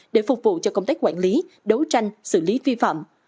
để phục vụ cho công tác quản lý đấu tranh xử lý vi phạm